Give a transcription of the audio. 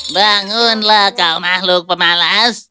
bangunlah kau makhluk pemalas